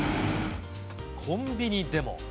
コンビニでも。